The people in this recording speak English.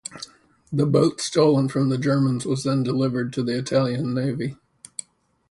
The boat stolen from the Germans was then delivered to the Italian navy.